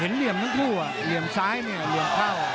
เหลี่ยมทั้งคู่เหลี่ยมซ้ายเนี่ยเหลี่ยมเข้า